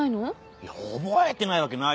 いや覚えてないわけないよ。